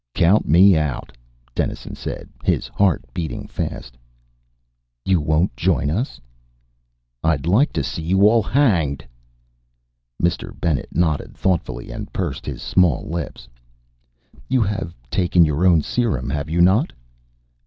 "Count me out," Dennison said, his heart beating fast. "You won't join us?" "I'd like to see you all hanged." Mr. Bennet nodded thoughtfully and pursed his small lips. "You have taken your own serum, have you not?"